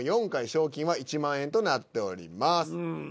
賞金は１万円となっております。